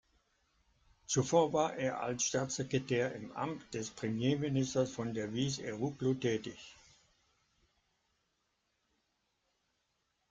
Zuvor war er als Staatssekretär im Amt des Premierministers von Derviş Eroğlu tätig.